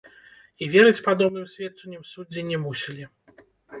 І верыць падобным сведчанням суддзі не мусілі.